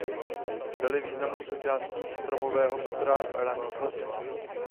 Byly významnou součástí stromového patra raných lesů.